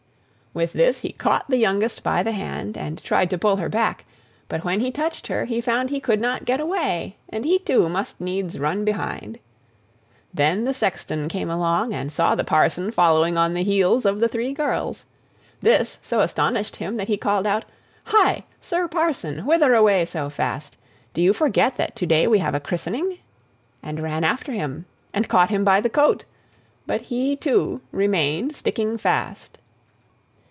With this he caught the youngest by the hand, and tried to pull her back, but when he touched her he found he could not get away, and he too must needs run behind. Then the sexton came along, and saw the parson following on the heels of the three girls. This so astonished him that he called out, "Hi! Sir Parson, whither away so fast? Do you forget that today we have a christening?" and ran after him, and caught him by the coat, but he too remained sticking fast.